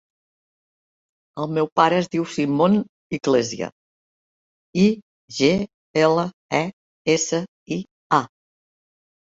El meu pare es diu Simon Iglesia: i, ge, ela, e, essa, i, a.